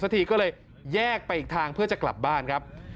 ทีก็เลยแยกไปอีกทางเพื่อจะกลับบ้านครับ